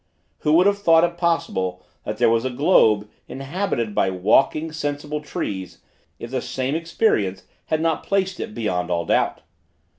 Who would have thought it possible, that there was a globe, inhabited by walking, sensible trees, if the same experience had not placed it beyond all doubt?